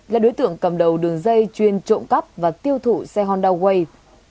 là đối tượng cầm đầu đường dây chuyên trộm cắp và tiêu thụ xe honda way